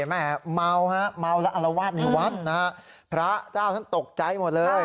แม่เมาฮะเมาแล้วอลวาดในวัดนะฮะพระเจ้าท่านตกใจหมดเลย